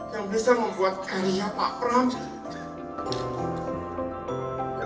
yang bisa membuat karya pak pram